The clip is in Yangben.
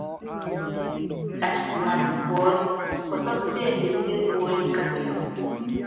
Katikumana púɔ pɔsɔ́kɔ péndesié puóli kapia muyu.